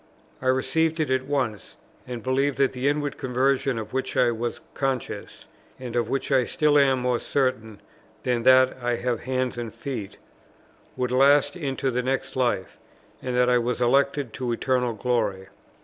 I received it at once, and believed that the inward conversion of which I was conscious, (and of which I still am more certain than that I have hands and feet,) would last into the next life, and that I was elected to eternal glory.